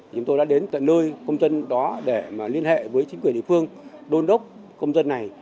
thì chúng tôi đã đến tận nơi công dân đó để mà liên hệ với chính quyền địa phương đôn đốc công dân này